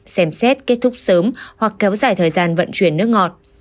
xem xét kết thúc sớm hoặc kéo dài thời gian vận chuyển nước ngọt